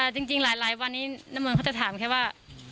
จริงหลายวันนี้น้ำมนต์เขาจะถามแค่ว่า